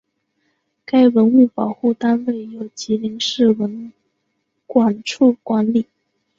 该文物保护单位由吉林市文管处管理。